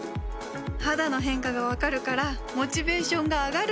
肌の変化が分かるからモチベーションが上がる！